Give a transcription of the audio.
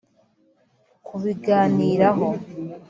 Kubiganiraho